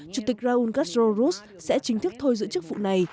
chủ tịch raúl castro ruz sẽ chính thức thôi giữ chức vụ này